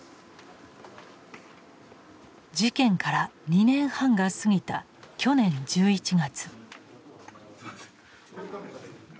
事件から２年半が過ぎた去年１１月。